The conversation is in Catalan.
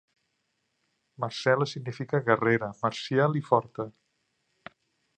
Marcella significa guerrera, marcial i forta.